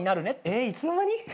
えいつの間に？